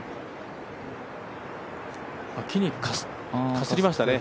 木にかすりましたね。